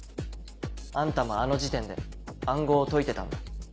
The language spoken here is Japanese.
あんたもあの時点で暗号を解いてたんだ。